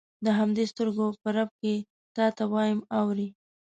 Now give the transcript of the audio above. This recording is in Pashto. د همدې سترګو په رپ کې تا ته وایم اورې.